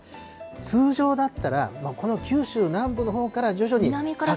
通常だったら、この九州南部のほうから徐々に。